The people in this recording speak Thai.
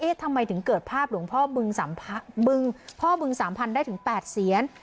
เอ๊ะทำไมถึงเกิดภาพหลวงพ่อบึงสามพันได้ถึง๘เซียน